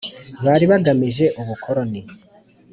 bari bagamije ubukoloni